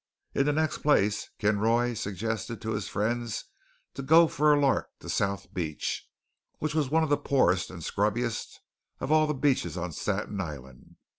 In the next place, Kinroy suggested to his friends to go for a lark to South Beach, which was one of the poorest and scrubbiest of all the beaches on Staten Island.